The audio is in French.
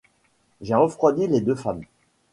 J’ai refroidi les deux femmes.